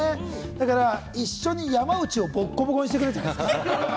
だから一緒に山内をボコボコにしてくれ、じゃないですか？